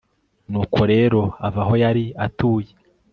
nuko rero ava aho yari atuye